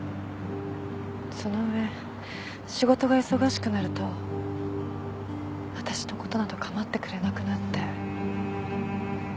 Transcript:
その上仕事が忙しくなると私の事などかまってくれなくなって。